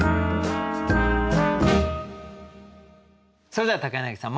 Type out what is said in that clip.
それでは柳さん